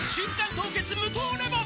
凍結無糖レモン」